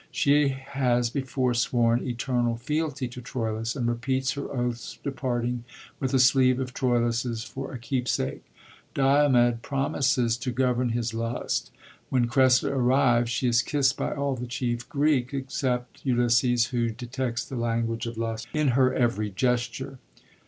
She has before sworn eternal fealty to Troilus, and repeats her oaths departing, with a sleeve of Troilus^s for a keepsake. Diomed pix> mises to govern his lust. When Oressida arrives she is kisst by all the chief Greeks, except Ulysses, who detects the language of lust in her every gesture.